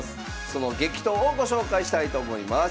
その激闘をご紹介したいと思います。